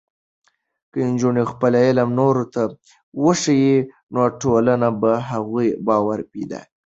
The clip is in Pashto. که نجونې خپل علم نورو ته وښيي، نو ټولنه په هغوی باور پیدا کوي.